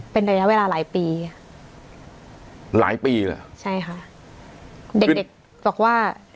เป็นระยะเวลาหลายปีหลายปีเหรอใช่ค่ะเด็กเด็กบอกว่า